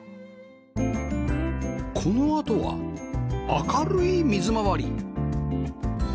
このあとは明るい水回り